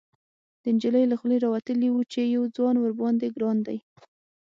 ، د نجلۍ له خولې راوتلي و چې يو ځوان ورباندې ګران دی.